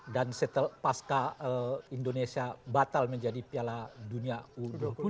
dan setelah indonesia batal menjadi piala dunia u dua puluh